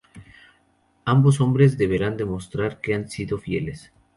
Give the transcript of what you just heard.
Ambos hombres deberán demostrar que han sido fieles.